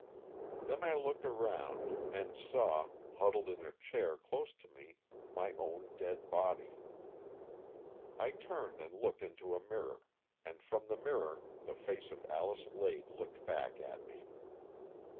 Then I looked, round, and saw, huddled in a chair close to me, my own dead body. I turned and looked into a mirror, and from the mirror the face of Alice Lade looked back at me.